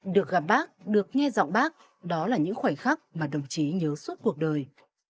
được gặp bác được nghe giọng bác đó là những khoảnh khắc mà đồng chí nhớ suốt cuộc đời